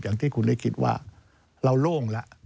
อย่างที่คุณได้คิดว่าเราโล่งแล้ว